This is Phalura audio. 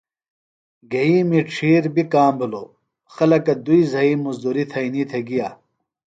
گھئِیمی ڇِھیر بیۡ کام بِھلوۡ۔ خلکہ دُئی زھئی مُزدُریۡ تھئینی تھےۡ گِیا۔